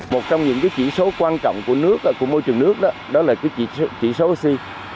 một trong những chỉ số quan trọng của môi trường nước đó là chỉ số oxy